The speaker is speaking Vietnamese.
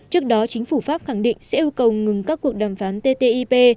trước đó chính phủ pháp khẳng định sẽ yêu cầu ngừng các cuộc đàm phán ttip